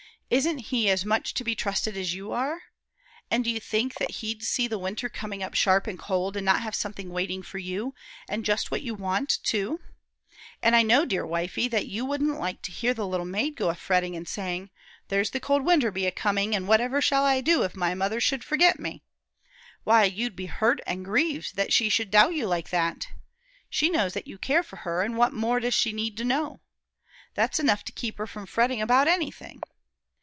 isn't he as much to be trusted as you are! An' do you think that he'd see the winter coming up sharp and cold, an' not have something waiting for you, an' just what you want, too? An' I know, dear wifie, that you wouldn't like to hear the little maid go a fretting, and saying: "There the cold winter be a coming, an' whatever shall I do if my mother should forget me?" Why, you'd be hurt an' grieved that she should doubt you like that. She knows that you care for her, an' what more does she need to know? That's enough to keep her from fretting about anything.